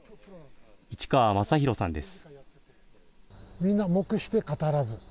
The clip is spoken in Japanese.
市川正廣さんです。